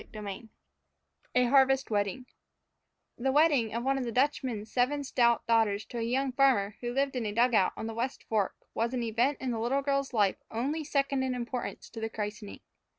_" VIII A HARVEST WEDDING THE wedding of one of the Dutchman's seven stout daughters to a young farmer who lived in a dugout on the West Fork was an event in the little girl's life only second in importance to the christening.